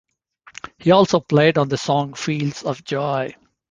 He also played on the song "Fields of Joy".